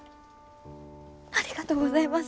ありがとうございます。